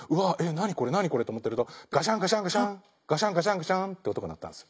何これ何これって思ってるとガシャンガシャンガシャンガシャンガシャンガシャンって音が鳴ったんですよ。